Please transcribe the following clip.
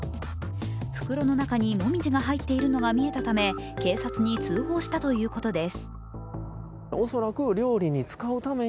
袋の中にもみじが入っているのが見えたため警察に通報したということです。